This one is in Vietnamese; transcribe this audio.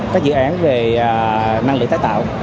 các dự án về năng lượng tái tạo